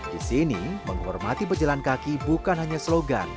di sini menghormati pejalan kaki bukan hanya slogan